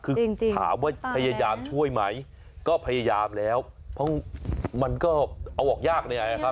คือถามว่าพยายามช่วยไหมก็พยายามแล้วเพราะมันก็เอาออกยาก